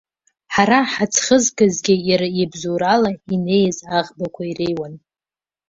Ҳара ҳаӡхызгазгьы иара ибзоурала инеиз аӷбақәа иреиуан.